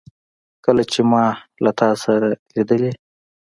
کله چي ما له تا سره لیدلې